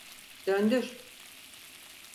Döndür!